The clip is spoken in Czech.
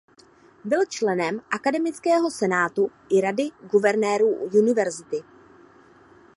Byl členem Akademického senátu i rady guvernérů university.